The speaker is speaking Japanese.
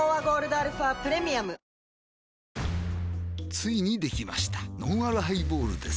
ついにできましたのんあるハイボールです